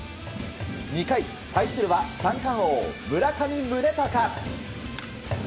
２回、対するは三冠王・村上宗隆。